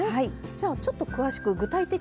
じゃちょっと詳しく具体的に。